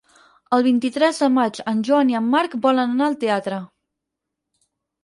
El vint-i-tres de maig en Joan i en Marc volen anar al teatre.